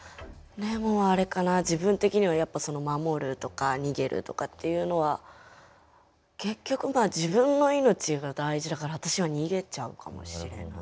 もうあれかな自分的にはやっぱその守るとか逃げるとかっていうのは結局まあ自分の命が大事だから私は逃げちゃうかもしれない。